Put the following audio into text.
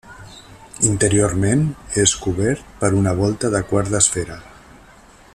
Interiorment és cobert per una volta de quart d'esfera.